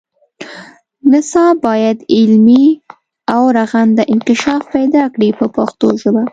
نصاب باید علمي او رغنده انکشاف پیدا کړي په پښتو ژبه.